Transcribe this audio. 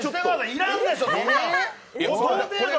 いらんでしょ、そんなの。